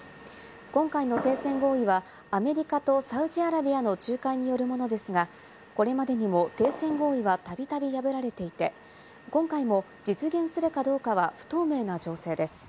今回の停戦合意はアメリカとサウジアラビアの仲介によるものですが、これまでにも停戦合意はたびたび破られていて、今回も実現するかどうかは不透明な情勢です。